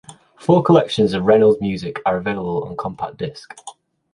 Four collections of Reynolds' music are available on compact disc.